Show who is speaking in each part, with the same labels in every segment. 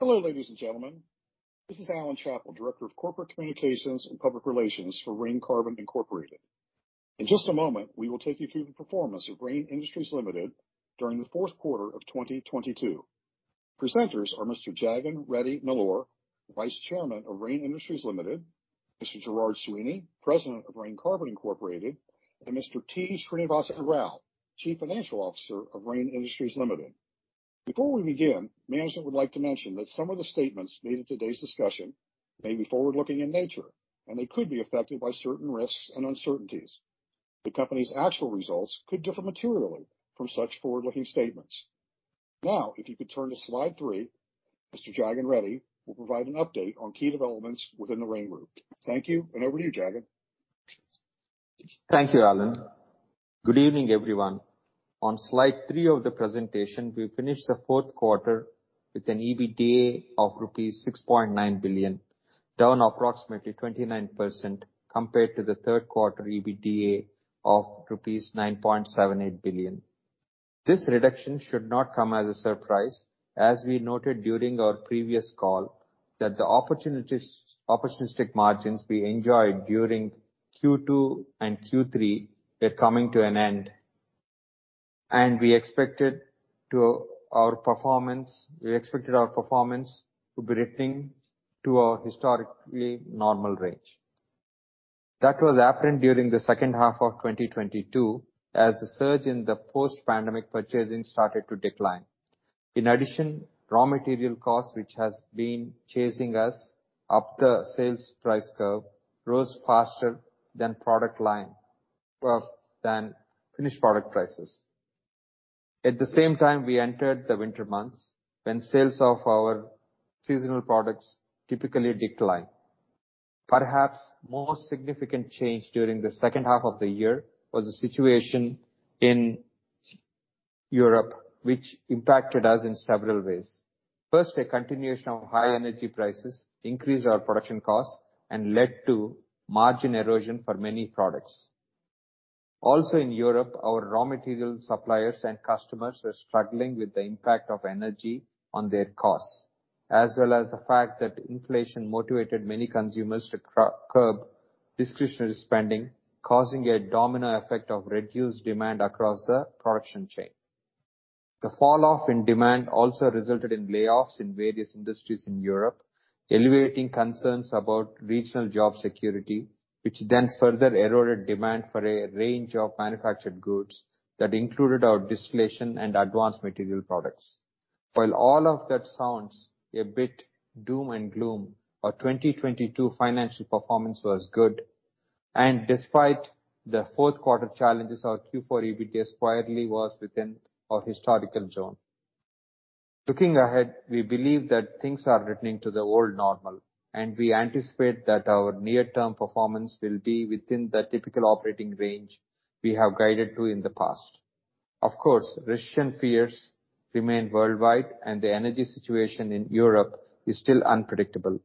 Speaker 1: Hello, ladies and gentlemen. This is Alan Chapple, Director of Corporate Communications and Public Relations for Rain Carbon Incorporated. In just a moment, we will take you through the performance of Rain Industries Limited during the fourth quarter of 2022. Presenters are Mr. Jagan Reddy Nellore, Vice Chairman of Rain Industries Limited, Mr. Gerard Sweeney, President of Rain Carbon Incorporated, and Mr. T. Srinivas Rao, Chief Financial Officer of Rain Industries Limited. Before we begin, management would like to mention that some of the statements made in today's discussion may be forward-looking in nature, and they could be affected by certain risks and uncertainties. The company's actual results could differ materially from such forward-looking statements. If you could turn to slide 3, Mr. Jagan Reddy will provide an update on key developments within the Rain group. Thank you, and over to you, Jagan.
Speaker 2: Thank you, Alan. Good evening, everyone. On slide three of the presentation, we finished the fourth quarter with an EBITDA of rupees 6.9 billion, down approximately 29% compared to the Q3 EBITDA of rupees 9.78 billion. This reduction should not come as a surprise, as we noted during our previous call that the opportunistic margins we enjoyed during Q2 and Q3 are coming to an end. We expected our performance to be returning to our historically normal range. That was apparent during the H2 of 2022 as the surge in the post-pandemic purchasing started to decline. In addition, raw material costs, which has been chasing us up the sales price curve, rose faster than product line than finished product prices. At the same time, we entered the winter months, when sales of our seasonal products typically decline. Perhaps more significant change during the H2 of the year was the situation in Europe, which impacted us in several ways. First, a continuation of high energy prices increased our production costs and led to margin erosion for many products. Also in Europe, our raw material suppliers and customers were struggling with the impact of energy on their costs, as well as the fact that inflation motivated many consumers to curb discretionary spending, causing a domino effect of reduced demand across the production chain. The falloff in demand also resulted in layoffs in various industries in Europe, elevating concerns about regional job security, which then further eroded demand for a range of manufactured goods that included our distillation and advanced material products. While all of that sounds a bit doom and gloom, our 2022 financial performance was good. Despite the fourth quarter challenges, our Q4 EBITDA squarely was within our historical zone. Looking ahead, we believe that things are returning to the old normal, and we anticipate that our near-term performance will be within the typical operating range we have guided to in the past. Of course, recession fears remain worldwide, and the energy situation in Europe is still unpredictable.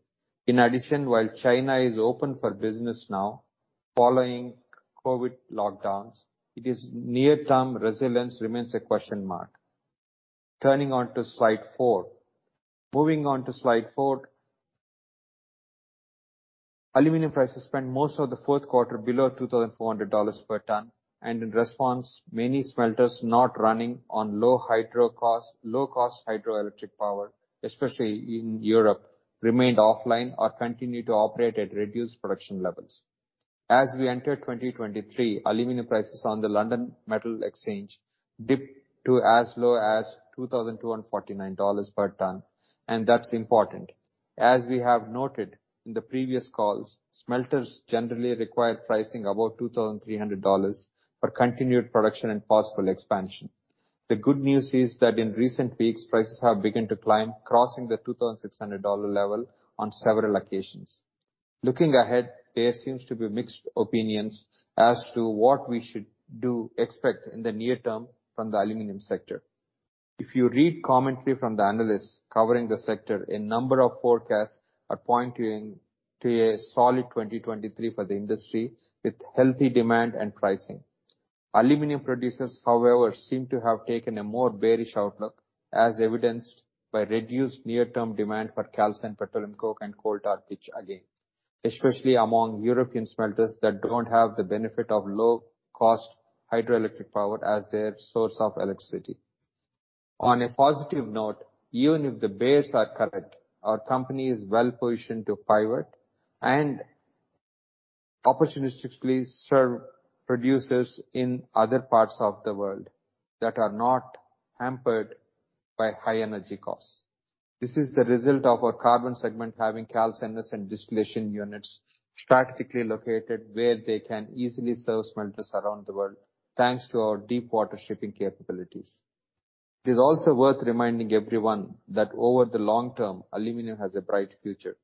Speaker 2: In addition, while China is open for business now, following COVID lockdowns, its near-term resilience remains a question mark. Turning on to slide four. Moving on to slide four. Aluminum prices spent most of the fourth quarter below $2,400 per ton. In response, many smelters not running on low hydro costs, low cost hydroelectric power, especially in Europe, remained offline or continued to operate at reduced production levels. As we enter 2023, aluminum prices on the London Metal Exchange dipped to as low as $2,249 per ton. That's important. As we have noted in the previous calls, smelters generally require pricing above $2,300 for continued production and possible expansion. The good news is that in recent weeks, prices have begun to climb, crossing the $2,600 level on several occasions. Looking ahead, there seems to be mixed opinions as to what we should expect in the near term from the aluminum sector. If you read commentary from the analysts covering the sector, a number of forecasts are pointing to a solid 2023 for the industry with healthy demand and pricing. Aluminum producers, however, seem to have taken a more bearish outlook, as evidenced by reduced near-term demand for calcined petroleum coke and coal tar pitch again. Especially among European smelters that don't have the benefit of low-cost hydroelectric power as their source of electricity. On a positive note, even if the bears are correct, our company is well-positioned to pivot and opportunistically serve producers in other parts of the world that are not hampered by high energy costs. This is the result of our carbon segment having calciners and distillation units strategically located where they can easily serve smelters around the world, thanks to our deep water shipping capabilities. It is also worth reminding everyone that over the long term, aluminum has a bright future.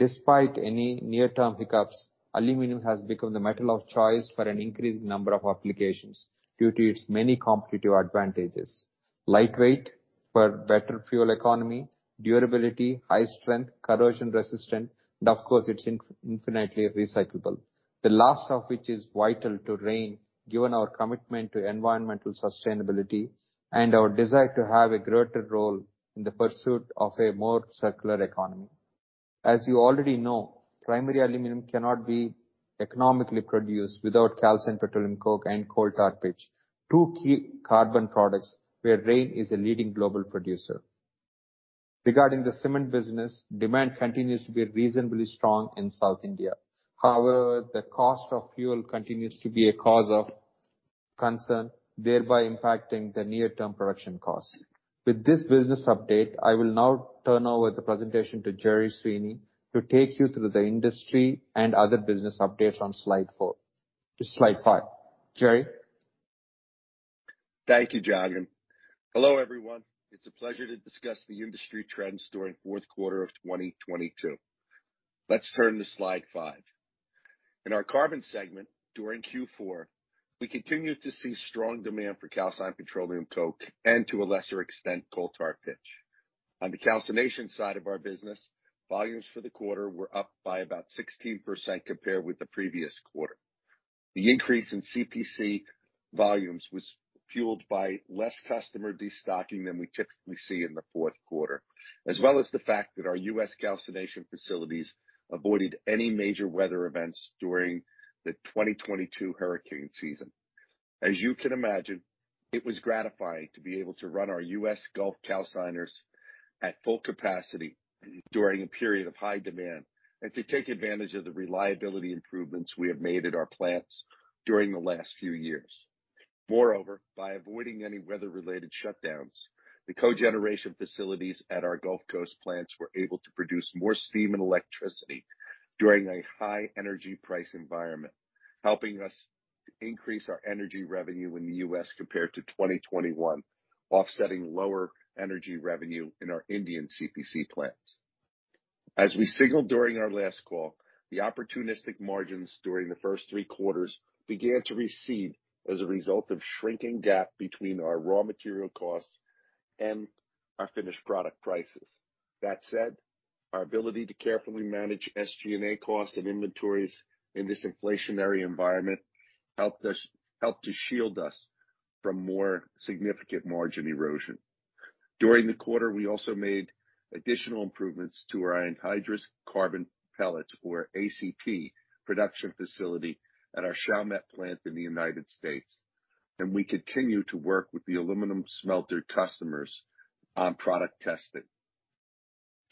Speaker 2: Despite any near-term hiccups, aluminum has become the metal of choice for an increasing number of applications due to its many competitive advantages. Lightweight for better fuel economy, durability, high strength, corrosion resistant, and of course, it's infinitely recyclable. The last of which is vital to Rain, given our commitment to environmental sustainability and our desire to have a greater role in the pursuit of a more circular economy. As you already know, primary aluminum cannot be economically produced without calcined petroleum coke and coal tar pitch. Two key carbon products where Rain is a leading global producer. Regarding the cement business, demand continues to be reasonably strong in South India. However, the cost of fuel continues to be a cause of concern, thereby impacting the near-term production costs. With this business update, I will now turn over the presentation to Gerry Sweeney to take you through the industry and other business updates on slide 5. Gerry?
Speaker 3: Thank you, Jagan. Hello, everyone. It's a pleasure to discuss the industry trends during fourth quarter of 2022. Let's turn to slide 5. In our carbon segment during Q4, we continued to see strong demand for calcined petroleum coke and to a lesser extent, coal tar pitch. On the calcination side of our business, volumes for the quarter were up by about 16% compared with the previous quarter. The increase in CPC volumes was fueled by less customer destocking than we typically see in the fourth quarter, as well as the fact that our U.S. calcination facilities avoided any major weather events during the 2022 hurricane season. As you can imagine, it was gratifying to be able to run our U.S. Gulf calciners at full capacity during a period of high demand, and to take advantage of the reliability improvements we have made at our plants during the last few years. Moreover, by avoiding any weather-related shutdowns, the cogeneration facilities at our Gulf Coast plants were able to produce more steam and electricity during a high energy price environment, helping us increase our energy revenue in the U.S. compared to 2021, offsetting lower energy revenue in our Indian CPC plants. As we signaled during our last call, the opportunistic margins during the first three quarters began to recede as a result of shrinking gap between our raw material costs and our finished product prices. That said, our ability to carefully manage SG&A costs and inventories in this inflationary environment helped to shield us from more significant margin erosion. During the quarter, we also made additional improvements to our anhydrous carbon pellets or ACP production facility at our Chalmette plant in the United States. We continue to work with the aluminum smelter customers on product testing.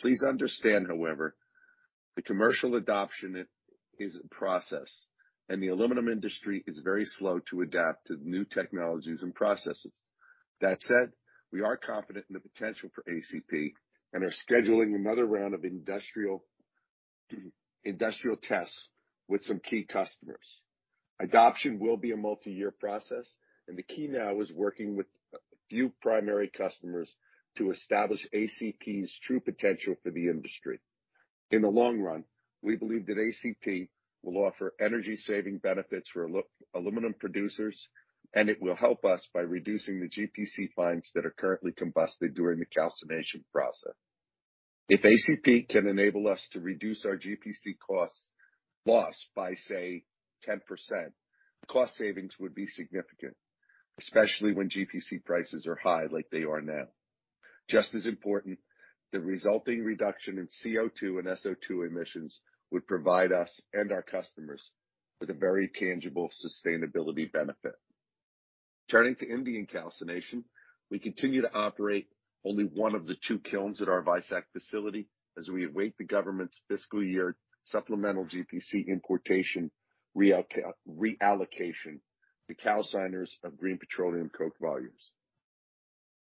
Speaker 3: Please understand, however, the commercial adoption is a process. The aluminum industry is very slow to adapt to new technologies and processes. That said, we are confident in the potential for ACP and are scheduling another round of industrial tests with some key customers. Adoption will be a multi-year process. The key now is working with a few primary customers to establish ACP's true potential for the industry. In the long run, we believe that ACP will offer energy-saving benefits for aluminum producers. It will help us by reducing the GPC fines that are currently combusted during the calcination process. If ACP can enable us to reduce our GPC costs lost by, say, 10%, the cost savings would be significant, especially when GPC prices are high like they are now. Just as important, the resulting reduction in CO2 and SO2 emissions would provide us and our customers with a very tangible sustainability benefit. Turning to Indian calcination, we continue to operate only one of the two kilns at our Vizag facility as we await the government's fiscal year supplemental GPC importation reallocation to calciners of Green Petroleum Coke volumes.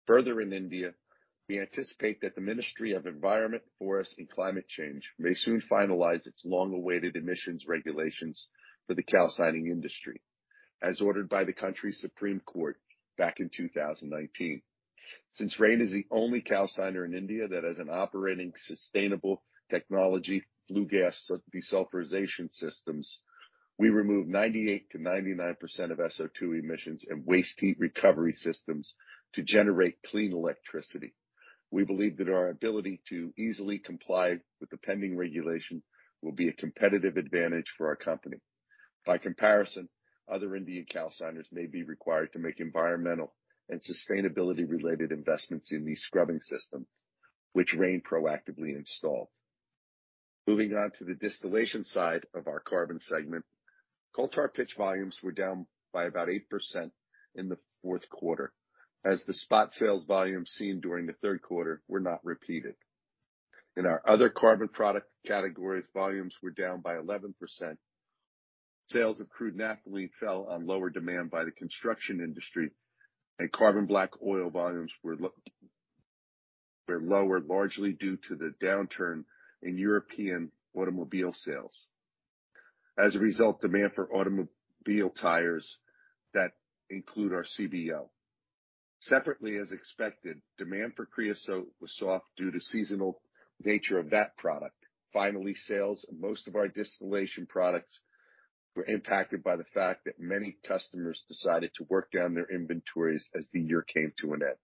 Speaker 3: Further in India, we anticipate that the Ministry of Environment, Forest and Climate Change may soon finalize its long-awaited emissions regulations for the calcining industry, as ordered by the country's Supreme Court back in 2019. Since Rain is the only calciner in India that has an operating sustainable technology flue gas desulfurization systems, we remove 98%-99% of SO2 emissions and waste heat recovery systems to generate clean electricity. We believe that our ability to easily comply with the pending regulation will be a competitive advantage for our company. By comparison, other Indian calciners may be required to make environmental and sustainability-related investments in these scrubbing systems, which Rain proactively installed. Moving on to the distillation side of our carbon segment. Coal tar pitch volumes were down by about 8% in the fourth quarter as the spot sales volumes seen during the Q3 were not repeated. In our other carbon product categories, volumes were down by 11%. Sales of crude naphthalene fell on lower demand by the construction industry, and carbon black oil volumes were lower, largely due to the downturn in European automobile sales. As a result, demand for automobile tires that include our CBO. Separately, as expected, demand for creosote was soft due to seasonal nature of that product. Finally, sales of most of our distillation products were impacted by the fact that many customers decided to work down their inventories as the year came to an end.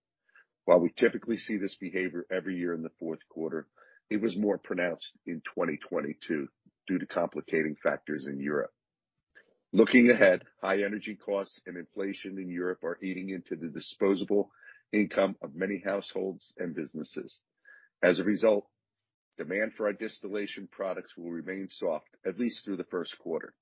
Speaker 3: While we typically see this behavior every year in the fourth quarter, it was more pronounced in 2022 due to complicating factors in Europe. Looking ahead, high energy costs and inflation in Europe are eating into the disposable income of many households and businesses. As a result, demand for our distillation products will remain soft at least through the first quarter.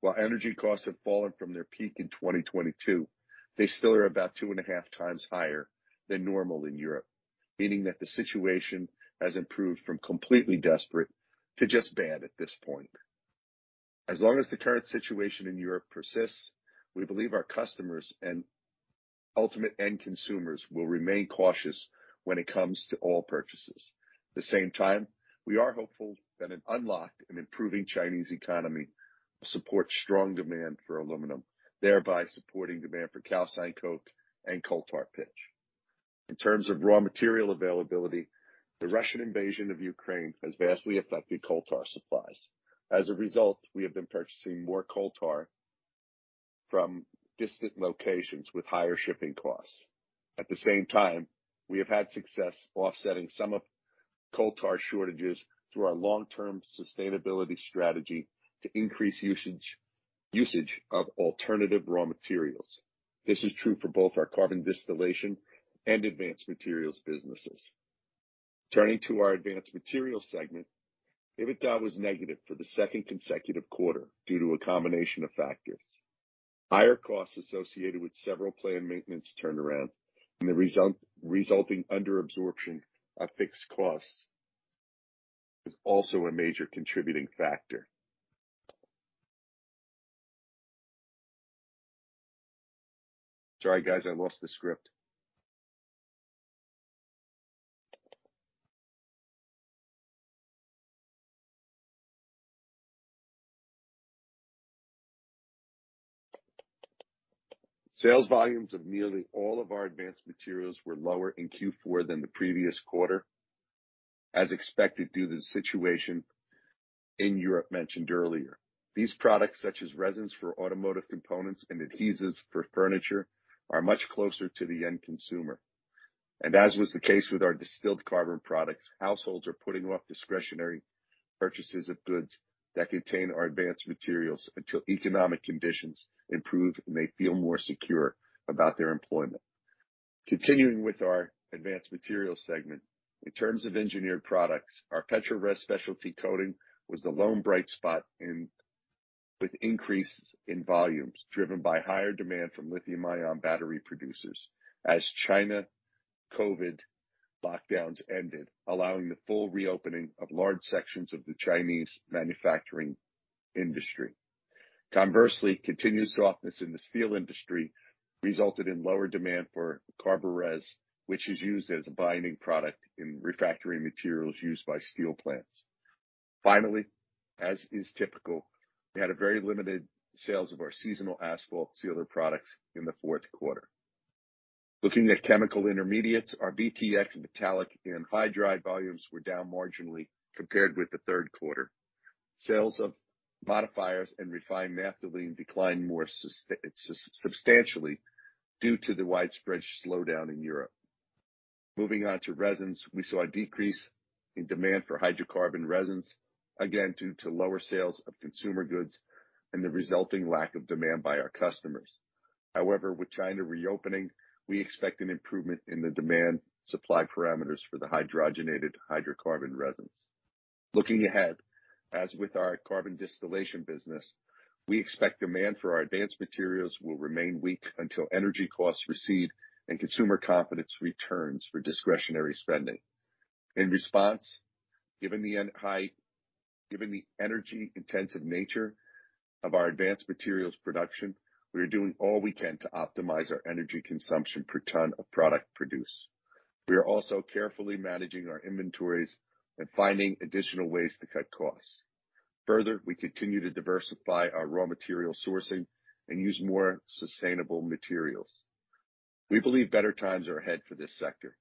Speaker 3: While energy costs have fallen from their peak in 2022, they still are about 2.5 times higher than normal in Europe, meaning that the situation has improved from completely desperate to just bad at this point. As long as the current situation in Europe persists, we believe our customers and ultimate end consumers will remain cautious when it comes to oil purchases. At the same time, we are hopeful that an unlocked and improving Chinese economy will support strong demand for aluminum, thereby supporting demand for calcined coke and coal tar pitch. In terms of raw material availability, the Russian invasion of Ukraine has vastly affected coal tar supplies. As a result, we have been purchasing more coal tar from distant locations with higher shipping costs. At the same time, we have had success offsetting some of coal tar shortages through our long-term sustainability strategy to increase usage of alternative raw materials. This is true for both our carbon distillation and advanced materials businesses. Turning to our advanced materials segment, EBITDA was negative for the second consecutive quarter due to a combination of factors. Higher costs associated with several planned maintenance turnaround and the resulting under-absorption of fixed costs is also a major contributing factor. Sorry, guys, I lost the script. Sales volumes of nearly all of our advanced materials were lower in Q4 than the previous quarter, as expected, due to the situation in Europe mentioned earlier. These products, such as resins for automotive components and adhesives for furniture, are much closer to the end consumer. As was the case with our distilled carbon products, households are putting off discretionary purchases of goods that contain our advanced materials until economic conditions improve and they feel more secure about their employment. Continuing with our advanced materials segment, in terms of engineered products, our PetraRes specialty coating was the lone bright spot with increases in volumes driven by higher demand from lithium-ion battery producers as China COVID lockdowns ended, allowing the full reopening of large sections of the Chinese manufacturing industry. Conversely, continued softness in the steel industry resulted in lower demand for CARBORES, which is used as a binding product in refractory materials used by steel plants. Finally, as is typical, we had a very limited sales of our seasonal asphalt sealer products in the fourth quarter. Looking at chemical intermediates, our BTX Phthalic Anhydride volumes were down marginally compared with the Q3. Sales of modifiers and refined naphthalene declined more substantially due to the widespread slowdown in Europe. Moving on to resins, we saw a decrease in demand for hydrocarbon resins, again due to lower sales of consumer goods and the resulting lack of demand by our customers. However, with China reopening, we expect an improvement in the demand supply parameters for the hydrogenated hydrocarbon resins. Looking ahead, as with our carbon distillation business, we expect demand for our advanced materials will remain weak until energy costs recede and consumer confidence returns for discretionary spending. In response, given the energy-intensive nature of our advanced materials production, we are doing all we can to optimize our energy consumption per ton of product produced. We are also carefully managing our inventories and finding additional ways to cut costs. Further, we continue to diversify our raw material sourcing and use more sustainable materials. We believe better times are ahead for this sector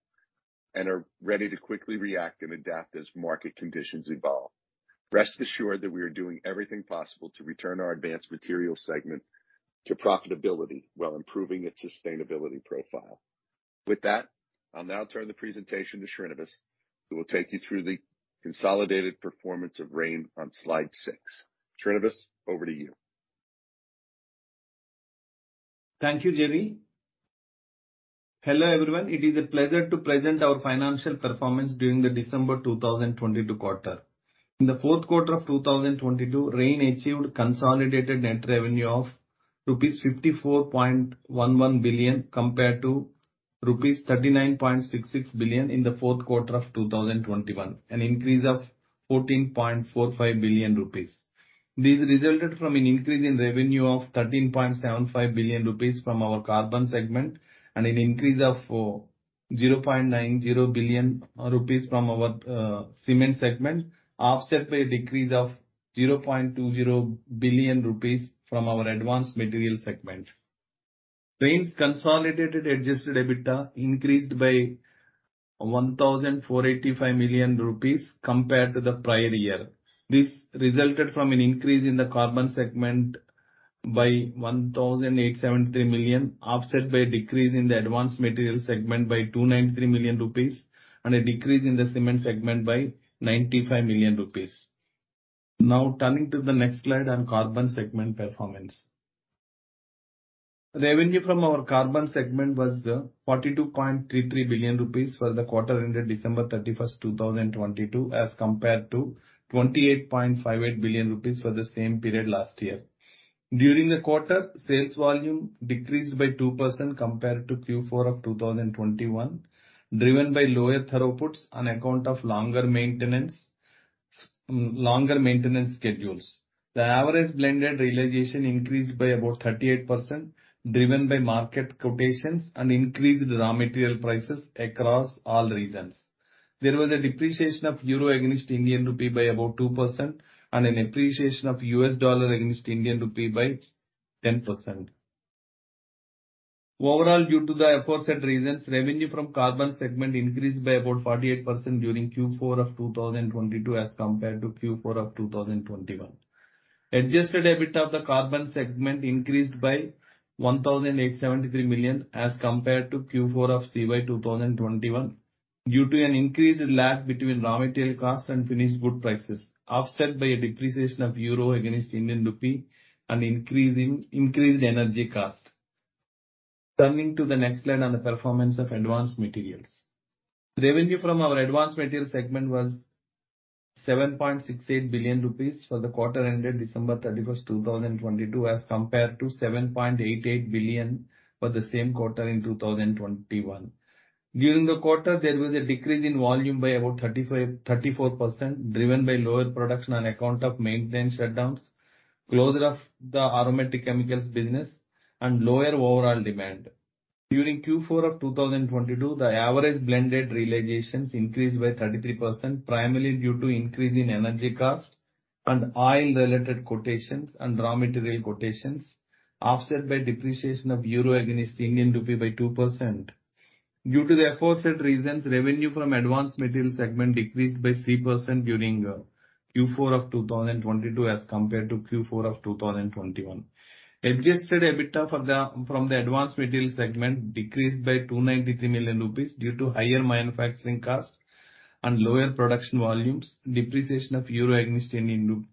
Speaker 3: and are ready to quickly react and adapt as market conditions evolve. Rest assured that we are doing everything possible to return our advanced materials segment to profitability while improving its sustainability profile. With that, I'll now turn the presentation to Srinivas, who will take you through the consolidated performance of Rain on slide six. Srinivas, over to you.
Speaker 4: Thank you, Jerry. Hello, everyone. It is a pleasure to present our financial performance during the December 2022 quarter. In the fourth quarter of 2022, Rain achieved consolidated net revenue of rupees 54.11 billion compared to rupees 39.66 billion in the fourth quarter of 2021, an increase of 14.45 billion rupees. This resulted from an increase in revenue of 13.75 billion rupees from our carbon segment and an increase of 0.90 billion rupees from our cement segment, offset by a decrease of 0.20 billion rupees from our advanced materials segment. Rain's consolidated adjusted EBITDA increased by 1,485 million rupees compared to the prior year. This resulted from an increase in the carbon segment by 1,873 million, offset by a decrease in the advanced materials segment by 293 million rupees and a decrease in the cement segment by 95 million rupees. Turning to the next slide on carbon segment performance. Revenue from our carbon segment was 42.33 billion rupees for the quarter ended December 31, 2022, as compared to 28.58 billion rupees for the same period last year. During the quarter, sales volume decreased by 2% compared to Q4 of 2021, driven by lower throughputs on account of longer maintenance schedules. The average blended realization increased by about 38%, driven by market quotations and increased raw material prices across all regions. There was a depreciation of EUR against Indian rupee by about 2% and an appreciation of US dollar against Indian rupee by 10%. Due to the aforesaid reasons, revenue from carbon segment increased by about 48% during Q4 of 2022 as compared to Q4 of 2021. Adjusted EBIT of the carbon segment increased by 1,873 million as compared to Q4 of CY 2021 due to an increased lag between raw material costs and finished good prices, offset by a depreciation of EUR against Indian rupee and increased energy cost. Turning to the next slide on the performance of advanced materials. Revenue from our advanced materials segment was 7.68 billion rupees for the quarter ended December 31st, 2022, as compared to 7.88 billion for the same quarter in 2021. During the quarter, there was a decrease in volume by about 34%, driven by lower production on account of maintenance shutdowns, closure of the aromatic chemicals business, and lower overall demand. During Q4 of 2022, the average blended realizations increased by 33%, primarily due to increase in energy cost and oil-related quotations and raw material quotations, offset by depreciation of euro against Indian rupee by 2%. Due to the aforesaid reasons, revenue from advanced materials segment decreased by 3% during Q4 of 2022 as compared to Q4 of 2021. Adjusted EBITDA from the advanced materials segment decreased by 293 million rupees due to higher manufacturing costs and lower production volumes, depreciation of Euro against Indian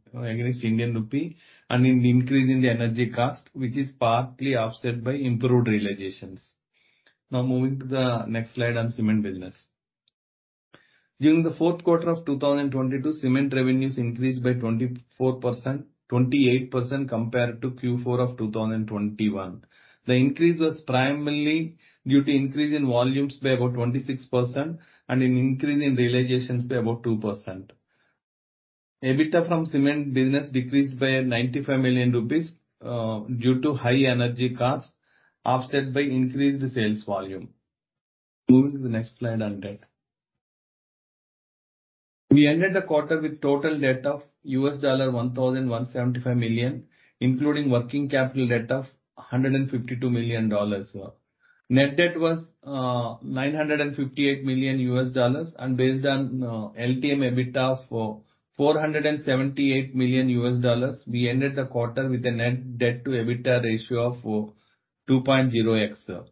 Speaker 4: rupee, and increase in the energy cost, which is partly offset by improved realizations. Moving to the next slide on cement business. During the fourth quarter of 2022, cement revenues increased by 28% compared to Q4 of 2021. The increase was primarily due to increase in volumes by about 26% and an increase in realizations by about 2%. EBITDA from cement business decreased by 95 million rupees due to high energy costs, offset by increased sales volume. Moving to the next slide on debt. We ended the quarter with total debt of $1,175 million, including working capital debt of $152 million. Net debt was $958 million. Based on LTM EBITDA of $478 million, we ended the quarter with a net debt to EBITDA ratio of 2.0x.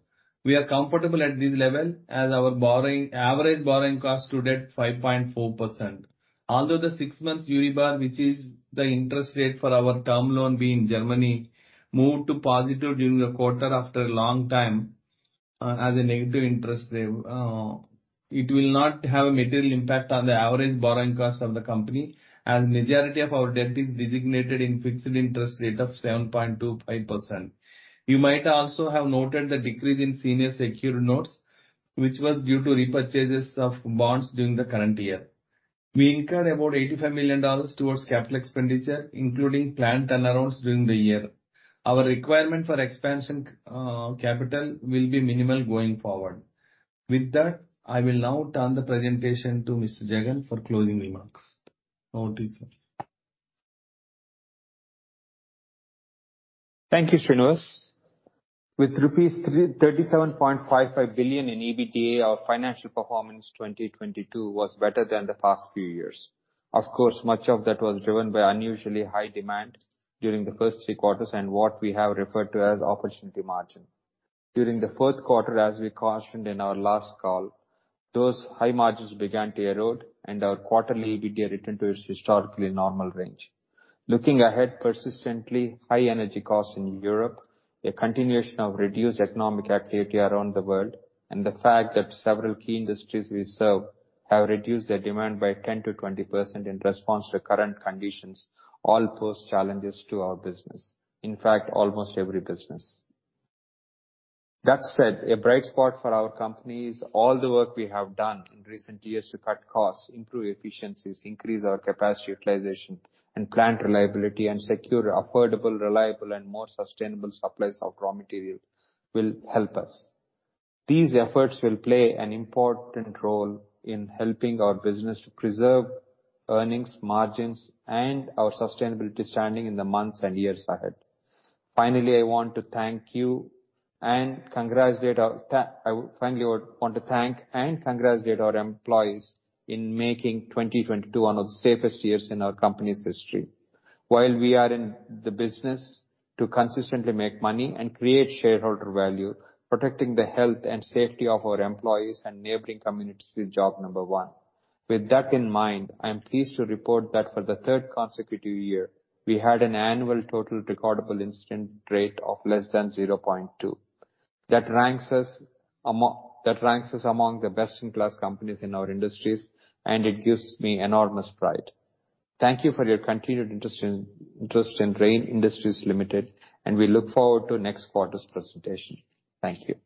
Speaker 4: We are comfortable at this level as our average borrowing cost stood at 5.4%. Although the 6 months Euribor, which is the interest rate for our Term Loan B in Germany, moved to positive during the quarter after a long time, as a negative interest rate, it will not have a material impact on the average borrowing cost of the company, as majority of our debt is designated in fixed interest rate of 7.25%. You might also have noted the decrease in senior secured notes, which was due to repurchases of bonds during the current year. We incurred about $85 million towards capital expenditure, including plant turnarounds during the year. Our requirement for expansion, capital will be minimal going forward. With that, I will now turn the presentation to Mr. Jagan for closing remarks. Over to you, sir.
Speaker 2: Thank you, Srinivas. With rupees 37.55 billion in EBITDA, our financial performance 2022 was better than the past few years. Of course, much of that was driven by unusually high demand during the first three quarters and what we have referred to as opportunity margin. During the fourth quarter, as we cautioned in our last call, those high margins began to erode, and our quarterly EBITDA returned to its historically normal range. Looking ahead, persistently high energy costs in Europe, a continuation of reduced economic activity around the world, and the fact that several key industries we serve have reduced their demand by 10%-20% in response to current conditions all pose challenges to our business. In fact, almost every business. That said, a bright spot for our company is all the work we have done in recent years to cut costs, improve efficiencies, increase our capacity utilization and plant reliability, and secure affordable, reliable, and more sustainable supplies of raw material will help us. These efforts will play an important role in helping our business to preserve earnings, margins, and our sustainability standing in the months and years ahead. Finally, I finally want to thank and congratulate our employees in making 2022 one of the safest years in our company's history. While we are in the business to consistently make money and create shareholder value, protecting the health and safety of our employees and neighboring communities is job number one. With that in mind, I am pleased to report that for the third consecutive year, we had an annual Total Recordable Incident Rate of less than 0.2. That ranks us among the best in class companies in our industries. It gives me enormous pride. Thank you for your continued interest in Rain Industries Limited. We look forward to next quarter's presentation. Thank you.